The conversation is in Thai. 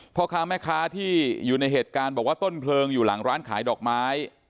พ่อค้าแม่ค้าที่อยู่ในเหตุการณ์บอกว่าต้นเพลิงอยู่หลังร้านขายดอกไม้